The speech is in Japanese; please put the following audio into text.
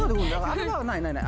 あれはないないない。